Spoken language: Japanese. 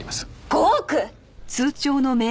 ５億！？